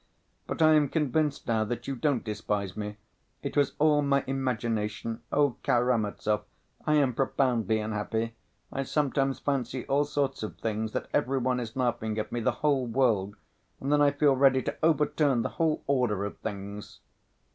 But I am convinced now that you don't despise me; it was all my imagination. Oh, Karamazov, I am profoundly unhappy. I sometimes fancy all sorts of things, that every one is laughing at me, the whole world, and then I feel ready to overturn the whole order of things."